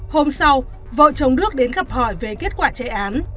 hôm sau vợ chồng đức đến gặp hỏi về kết quả chạy án